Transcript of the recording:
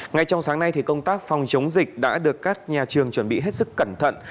ngay trong sáng nay công tác phòng chống dịch đã được các nhà trường chuẩn bị hết sức cẩn thận